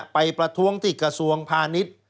ประท้วงที่กระทรวงพาณิชย์